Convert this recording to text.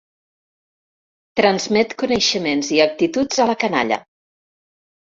Transmet coneixements i actituds a la canalla.